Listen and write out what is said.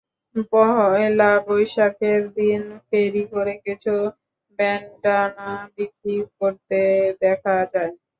পয়লা বৈশাখের দিনে ফেরি করে কিছু ব্যান্ডানা বিক্রি করতে দেখা যায়।